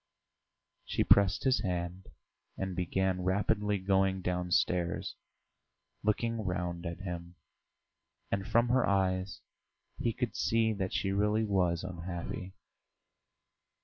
She pressed his hand and began rapidly going downstairs, looking round at him, and from her eyes he could see that she really was unhappy.